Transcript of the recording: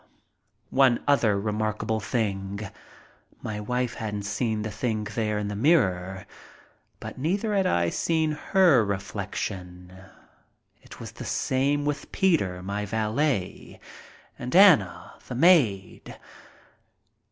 One other remarkable thing. My wife hadn't seen the thing there in the mirror, but neither had I seen her reflection. It was the same with Peter, my valet, and Anna, the maid.